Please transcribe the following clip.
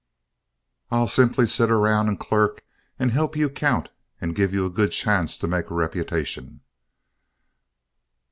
I'll simply sit around and clerk and help you count and give you a good chance to make a reputation."